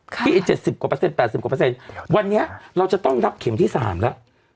ที่๗๐กว่าเปอร์เซ็น๘๐กว่าเปอร์เซ็นต์วันนี้เราจะต้องนับเข็มที่๓แล้ว